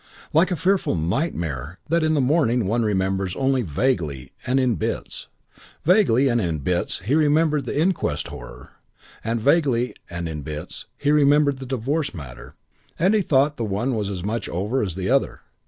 Like a fearful nightmare that in the morning one remembers only vaguely and in bits. Vaguely and in bits he remembered the inquest horror, and vaguely and in bits he remembered the divorce matter and he thought the one was as much over as the other.